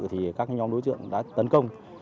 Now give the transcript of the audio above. thì các nhóm đối tượng đã tấn công